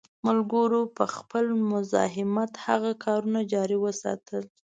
ملګرو په خپل مزاحمت هغه کارونه جاري وساتل.